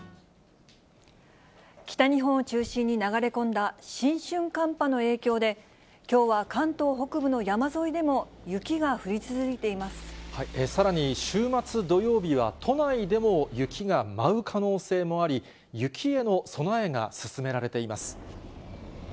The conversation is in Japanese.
北日本を中心に流れ込んだ新春寒波の影響で、きょうは関東北部の山沿いでも雪が降り続いていさらに週末土曜日は、都内でも雪が舞う可能性もあり、雪への備えが進められています。